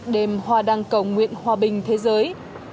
đềm hòa đăng cầu nguyện hòa bình thế giới